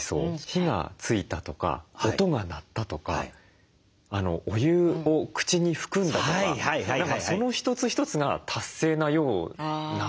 火がついたとか音が鳴ったとかお湯を口に含んだとかその一つ一つが達成なような。